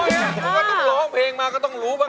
ผมก็ต้องร้องเพลงมาก็ต้องรู้บ้าง